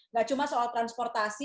nggak cuma soal transportasi